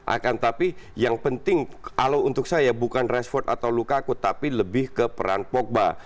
akan tetapi yang penting untuk saya bukan rashford atau lukaku tapi lebih ke peran pogba